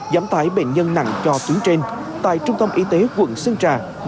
giảm tải bệnh nhân nặng cho tuyến trên tại trung tâm y tế quận sơn trà